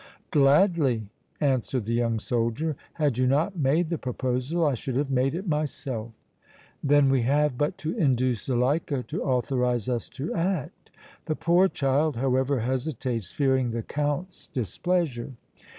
"Gladly," answered the young soldier. "Had you not made the proposal, I should have made it myself!" "Then we have but to induce Zuleika to authorize us to act. The poor child, however, hesitates, fearing the Count's displeasure."